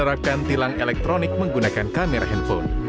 menerapkan tilang elektronik menggunakan kamera handphone